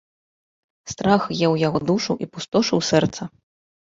Страх еў яго душу і пустошыў сэрца.